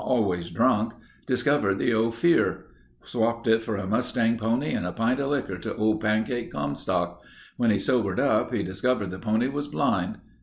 Always drunk. Discovered the Ophir. Swapped it for a mustang pony and a pint of likker to old Pancake Comstock. When he sobered up he discovered the pony was blind.